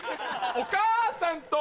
お母さんと